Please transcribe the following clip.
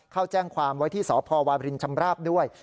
เข้าแจ้งความไว้ที่สพวาบรินชำราบด้วย